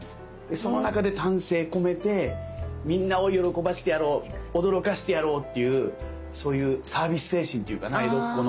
その中で丹精込めてみんなを喜ばしてやろう驚かしてやろうっていうそういうサービス精神っていうかな江戸っ子の。